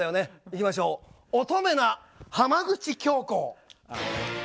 いきましょう、乙女な浜口京子。